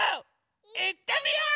いってみよう！